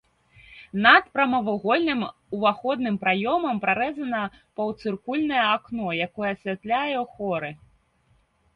Над прамавугольным уваходным праёмам прарэзана паўцыркульнае акно, якое асвятляе хоры.